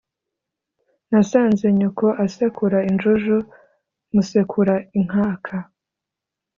nasanze nyoko asekura injuju musekura in kaka